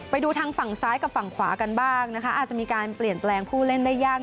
ไปดูทางฝั่งซ้ายกับฝั่งขวากันบ้างนะคะอาจจะมีการเปลี่ยนแปลงผู้เล่นได้ยาก